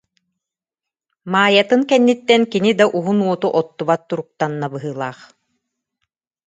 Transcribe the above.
Маайатын кэнниттэн кини да уһун уоту оттубат туруктанна быһыылаах